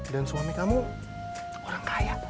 dan suami kamu orang kaya